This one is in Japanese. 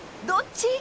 どっち？